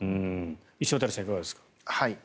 石渡さん、いかがですか？